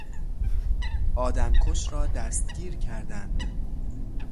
آدمکش را دستگیر کردند.